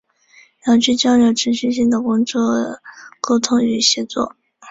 遥距交流持续性的工作沟通与协作